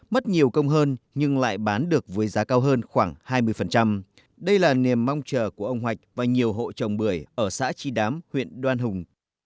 mất nhiều công hơn nhưng lại bán được với giá cao hơn khoảng hai mươi đây là niềm mong chờ của ông hoạch và nhiều hộ trồng bưởi ở xã tri đám huyện đoan hùng